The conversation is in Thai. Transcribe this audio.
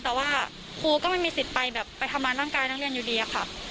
แต่ว่าครูก็ไม่มีสิทธิ์ไปแบบไปทำร้ายร่างกายนักเรียนอยู่ดีอะค่ะ